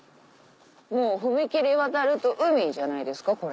もう踏切渡ると海じゃないですか？